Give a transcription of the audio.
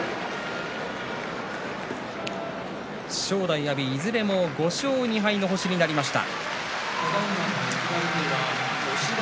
正代、阿炎、５勝２敗の星になりました。